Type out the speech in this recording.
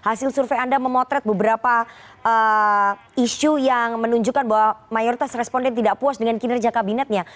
hasil survei anda memotret beberapa isu yang menunjukkan bahwa mayoritas responden tidak puas dengan kinerja kabinetnya